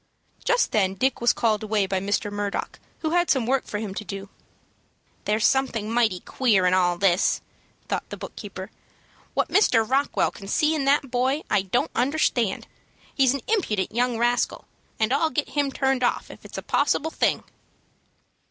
Just then Dick was called away by Mr. Murdock, who had some work for him to do. "There's something mighty queer in all this," thought the book keeper. "What Mr. Rockwell can see in that boy, I don't understand. He's an impudent young rascal, and I'll get him turned off if it's a possible thing."